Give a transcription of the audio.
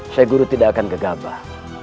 syekh guri tidak akan gegabah